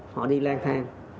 họ đi lan thang